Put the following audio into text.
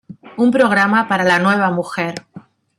Un programa para la nueva mujer".